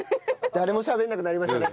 誰もしゃべんなくなりましたね。